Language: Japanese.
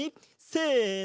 せの！